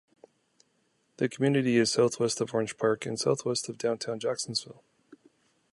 The community is southwest of Orange Park and southwest of downtown Jacksonville.